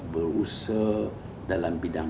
berusaha dalam bidang